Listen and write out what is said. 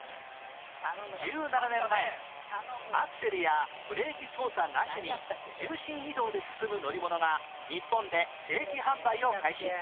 １７年前アクセルやブレーキ操作なしに重心移動で進む乗り物が日本で正規販売を開始